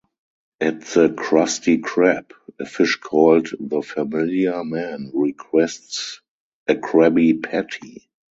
At the Krusty Krab, a fish called the Familiar Man requests a Krabby Patty.